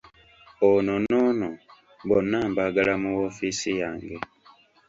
Ono n’ono bonna mbaagala mu woofiisi yange.